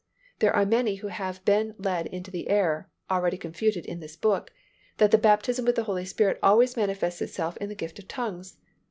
There are many who have been led into the error, already confuted in this book, that the baptism with the Holy Spirit always manifests itself in the gift of tongues.